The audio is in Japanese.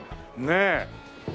ねえ。